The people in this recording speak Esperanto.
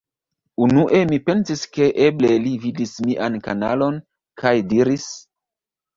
Unue mi pensis ke eble li vidis mian kanalon, kaj diris: